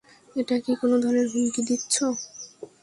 এটা কি কোনো ধরনের হুমকি দিচ্ছ?